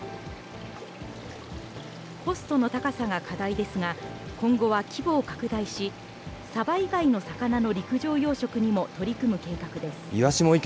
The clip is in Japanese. コストの高さが課題ですが、今後は規模を拡大し、サバ以外の魚の陸上養殖にも取り組む計画です。